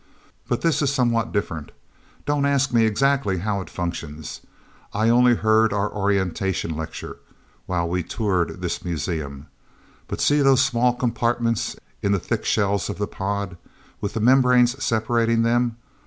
But this is somewhat different. Don't ask me exactly how it functions I only heard our orientation lecture, while we toured this museum. But see those small compartments in the thick shells of the pod with the membranes separating them?